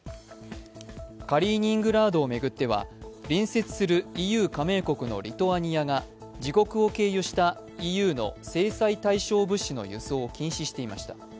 カリーニングラードを巡っては隣接するＥＵ加盟国のリトアニアが自国を経由したＥＵの制裁対象物資の輸送を禁止していました。